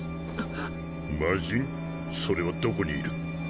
それはどこにいる？